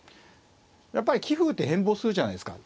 やっぱり棋風って変貌するじゃないですか。